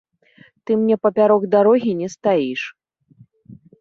Ты мне папярок дарогі не стаіш.